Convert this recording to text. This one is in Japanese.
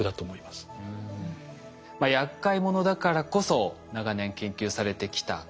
まあやっかい者だからこそ長年研究されてきた蚊。